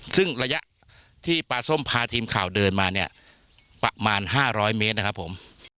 ซึ่งระยะที่ปลาส้มพาทีมข่าวเดินมาเนี่ยประมาณ๕๐๐เมตรนะครับผม